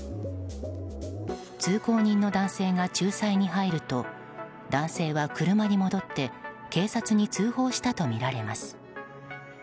通行人の男性が仲裁に入ると男性は車に戻って警察に通報したとみられます。